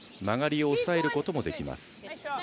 曲がりを抑えることもできます。